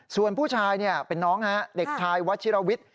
ส่วนผู้ชายเป็นน้องเด็กชายวัชิรวิทย์